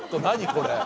これ。